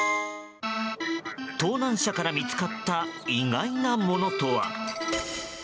盗難車から見つかった意外なものとは。